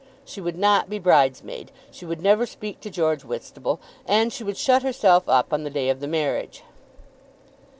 She would not be bridesmaid. She would never speak to George Whitstable. And she would shut herself up on the day of the marriage.